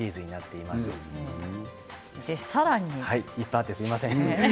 いっぱいあってすみません。